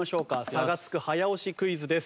差がつく早押しクイズです。